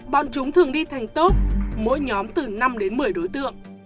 bọn chúng thường đi thành tốt mỗi nhóm từ năm đến một mươi đối tượng